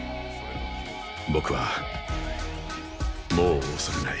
僕はもう恐れない。